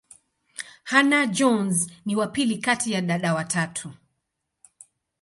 Hannah-Jones ni wa pili kati ya dada watatu.